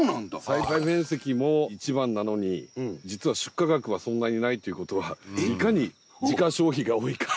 栽培面積も一番なのに実は出荷額はそんなにないということはいかに自家消費が多いか。